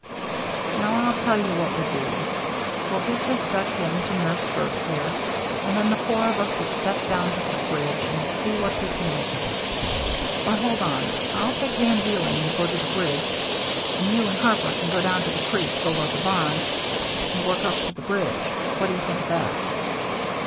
" Now I'll tell you what we'll do. We'll get this Dutch woman to nurse Bert here, and then the four of us will step down to the bridge and see what we can make of it — or hold on ; I'll take Van Deelen and go to the bridge, and you and Harper can go down to the creek be low the barn and work up to the bridge. What do you think of that